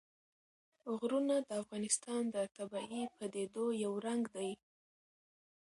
غرونه د افغانستان د طبیعي پدیدو یو رنګ دی.